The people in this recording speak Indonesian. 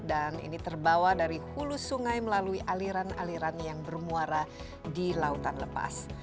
dan ini terbawa dari hulu sungai melalui aliran aliran yang bermuara di lautan lepas